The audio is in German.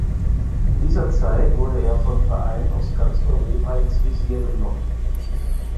In dieser Zeit wurde er von Vereinen aus ganz Europa ins Visier genommen.